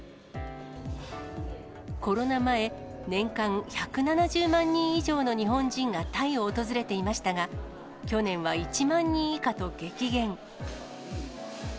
コロナ前、年間１７０万人以上の日本人がタイを訪れていましたが、去年は１万人以下と激減。